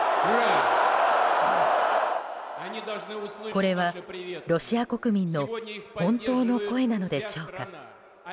これはロシア国民の本当の声なのでしょうか？